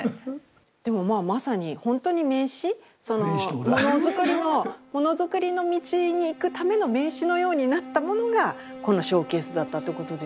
でもまあまさにほんとに名刺そのものづくりのものづくりの道に行くための名刺のようになったものがこのショーケースだったっていうことですよね。